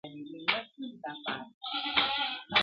پلونه یې بادونو له زمان سره شړلي دي.!